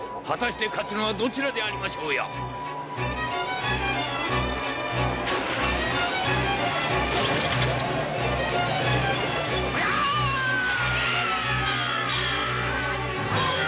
果たして勝つのはどちらでありましょうやほりゃあー！